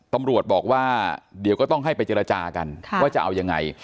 ตำรวจบอกว่าเดี๋ยวก็ต้องให้ไปเจรจากันว่าจะเอายังไง